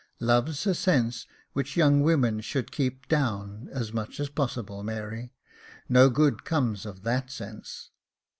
Love's a sense which young women should keep down as much as possible, Mary ; no good comes of that sense."